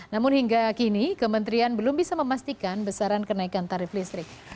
namun hingga kini kementerian belum bisa memastikan besaran kenaikan tarif listrik